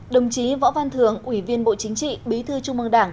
đồng chí võ văn thường ủy viên bộ chính trị bí thư trung mương đảng